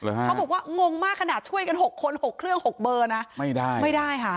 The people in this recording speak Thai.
เขาบอกว่างงมากขนาดช่วยกันหกคนหกเครื่องหกเบอร์นะไม่ได้ไม่ได้ค่ะ